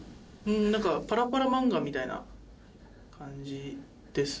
なんかパラパラ漫画みたいな感じです